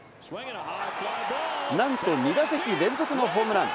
なんと２打席連続のホームラン！